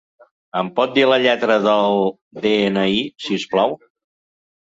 Em pot dir la lletra del de-ena-i, si us plau?